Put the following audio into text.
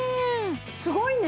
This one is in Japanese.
すごいね！